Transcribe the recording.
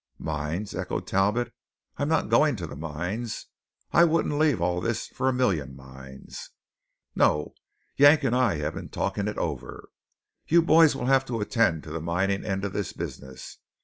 "Mines?" echoed Talbot, "I'm not going to the mines! I wouldn't leave all this for a million mines. No: Yank and I have been talking it over. You boys will have to attend to the mining end of this business.